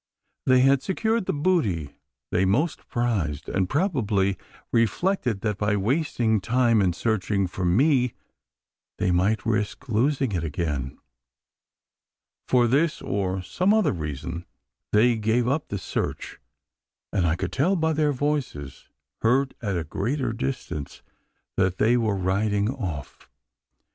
They had secured the booty they most prized; and, probably, reflected that, by wasting time in searching for me, they might risk losing it again. For this, or some other reason, they gave up the search; and I could tell by their voices, heard at a greater distance, that they were riding off.